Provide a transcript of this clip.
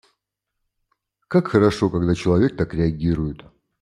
Как хорошо, когда человек так реагирует.